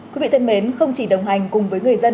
quý vị thân mến không chỉ đồng hành cùng với người dân